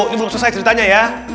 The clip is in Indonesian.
ini belum selesai ceritanya ya